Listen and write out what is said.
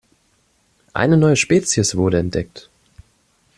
Eine neue Spezies wurde entdeckt.